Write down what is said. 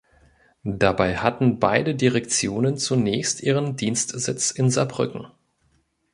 Dabei hatten beide Direktionen zunächst ihren Dienstsitz in Saarbrücken.